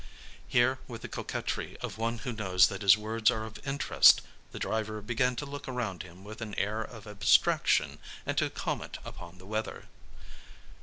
Here, with the coquetry of one who knows that his words are of interest, the driver began to look around him with an air of abstraction and to comment upon the weather.